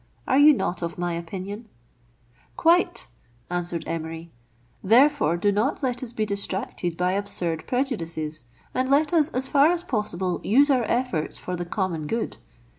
Are you not of my opinion ?" "Quite," answered Emery; "therefore do not let us be distracted by absurd prejudices, and let us as far as possible use our efforts for the common good.